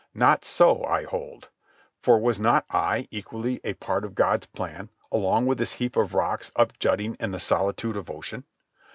Not so, I hold. For was not I equally a part of God's plan, along with this heap of rocks upjutting in the solitude of ocean?